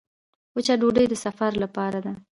وچه ډوډۍ د سفر لپاره ده.